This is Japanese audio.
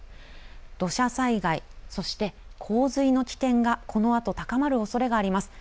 土砂災害、そして洪水の危険がこのあと高まるおそれがあります。